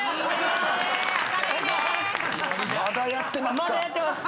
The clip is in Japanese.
まだやってます。